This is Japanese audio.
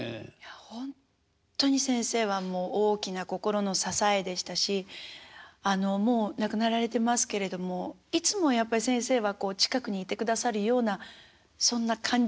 ほんとに先生はもう大きな心の支えでしたしもう亡くなられてますけれどもいつもやっぱり先生は近くにいてくださるようなそんな感じがします。